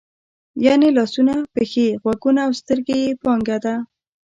یعنې لاسونه، پښې، غوږونه او سترګې یې پانګه ده.